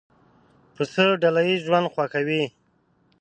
پسه ډله ییز ژوند خوښوي.